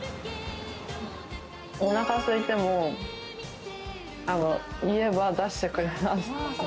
お腹すいても、言えば出してくれます。